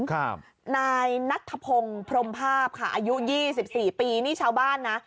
ครับนายนัทภพงโพรมภาพอายุ๒๔ปีนี่ชาวบ้านนะ